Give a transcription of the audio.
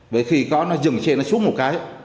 vậy khi có nó dừng xe nó xuống một cái